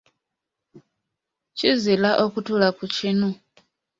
Kizira okutuula ku kinu.